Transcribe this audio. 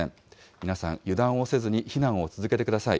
皆さん、油断をせずに避難を続けてください。